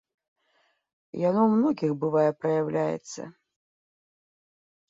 Яно ў многіх бывае, праяўляецца.